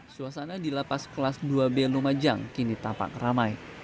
suasana di lapas kelas dua b lumajang kini tampak ramai